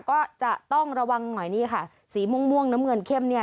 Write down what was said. ก็จะต้องระวังหน่อยนี่ค่ะสีม่วงน้ำเงินเข้มเนี่ย